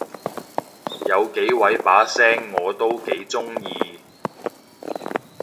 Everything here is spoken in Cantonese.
有幾位把聲我都幾中意